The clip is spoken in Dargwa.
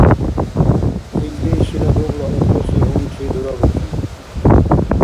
Илди шила дубла аркьуси гьунчи дурабухъун.